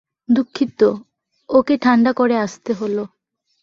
দুঃখিত, ওকে ঠান্ডা করে আসতে হল।